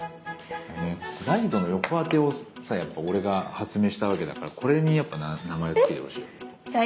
ライトの横当てをさやっぱ俺が発明したわけだからこれにやっぱ名前を付けてほしいな。